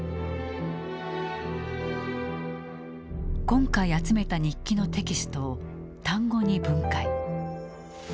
今回集めた日記のテキストを単語に分解。